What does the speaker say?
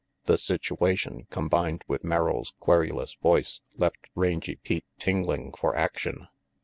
The situation, combined with Merrill's querulous voice, left Rangy Pete tingling for action.